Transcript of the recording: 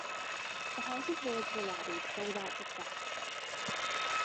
The House of Lords were lobbied, but without success.